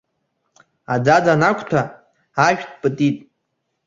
Аӡаӡа анақәҭәа ашәҭ пытит.